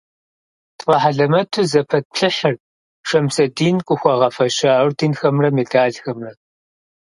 ТфӀэхьэлэмэту зэпэтплъыхьырт Шэмсэдин къыхуагъэфэща орденхэмрэ медалхэмрэ.